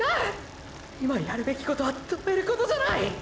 今やるべきことは止めることじゃない！！